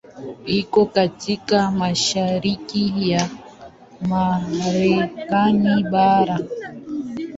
Iko katika mashariki ya Marekani bara.